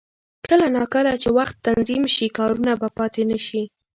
کله نا کله چې وخت تنظیم شي، کارونه به پاتې نه شي.